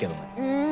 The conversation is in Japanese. うん。